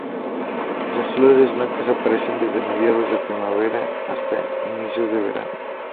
Las flores, blancas, aparecen desde mediados de primavera hasta inicios de verano.